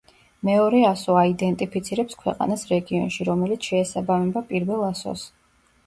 მეორე ასო აიდენტიფიცირებს ქვეყანას რეგიონში, რომელიც შეესაბამება პირველ ასოს.